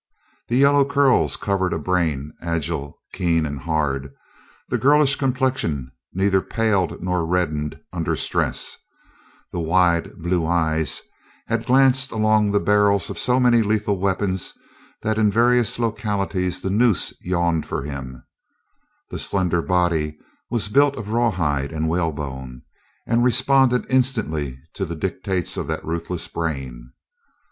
The yellow curls covered a brain agile, keen, and hard; the girlish complexion neither paled nor reddened under stress; the wide blue eyes had glanced along the barrels of so many lethal weapons, that in various localities the noose yawned for him; the slender body was built of rawhide and whalebone, and responded instantly to the dictates of that ruthless brain.